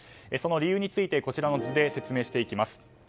その理由についてこちらの図で説明していきます。